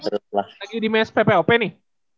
eh ini lu lagi di mes ppop nih